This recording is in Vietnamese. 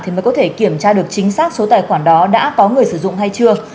thì mới có thể kiểm tra được chính xác số tài khoản đó đã có người sử dụng hay chưa